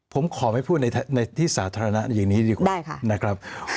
ผมขอไม่พูดในที่สาธารณะอย่างนี้ดีกว่านะครับ